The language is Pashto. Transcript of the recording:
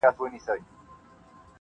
• یوې لويی زړې وني ته دمه سول -